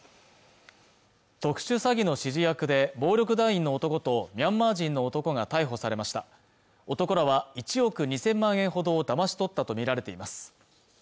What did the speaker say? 特殊詐欺の指示役で暴力団員の男とミャンマー人の男が逮捕されました男らは１億２０００万円ほどをだまし取ったとみられています